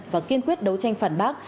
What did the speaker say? và kiên quyết đấu tranh phản bác